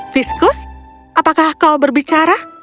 viskus apakah kau berbicara